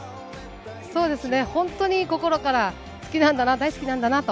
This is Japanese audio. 本当に心から好きなんだな、大好きなんだなと。